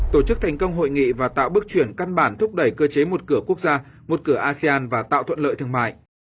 tổ chức thành công hội nghị và tạo bước chuyển căn bản thúc đẩy cơ chế một cửa quốc gia một cửa asean và tạo thuận lợi thương mại